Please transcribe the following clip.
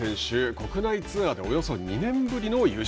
国内ツアーでおよそ２年ぶりの優勝。